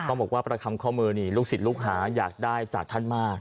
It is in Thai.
บอกว่าประคำข้อมือนี่ลูกศิษย์ลูกหาอยากได้จากท่านมาก